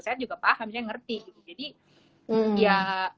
saya juga paham misalnya ngerti gitu jadi ya